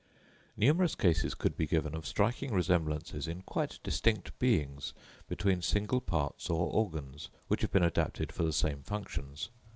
Numerous cases could be given of striking resemblances in quite distinct beings between single parts or organs, which have been adapted for the same functions.